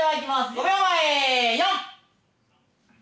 ５秒前、４。